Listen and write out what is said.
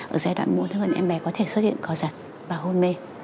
ở giai đoạn mổ thương em bé có thể xuất hiện có giật và hôn mê